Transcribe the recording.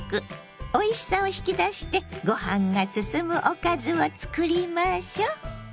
おいしさを引き出してご飯がすすむおかずをつくりましょう。